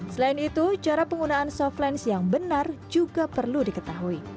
selain itu cara penggunaan soft lens yang benar juga perlu diketahui